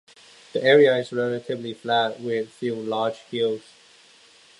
The area is relatively flat, with few large hills.